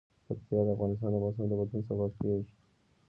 پکتیا د افغانستان د موسم د بدلون سبب کېږي.